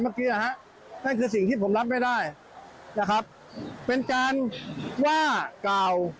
เมื่อกี้นะฮะนั่นคือสิ่งที่ผมรับไม่ได้นะครับเป็นการว่ากล่าว